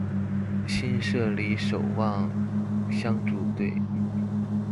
新社里守望相助隊